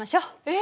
え！？